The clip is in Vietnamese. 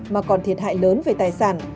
mà còn thiệt hại lớn về tài sản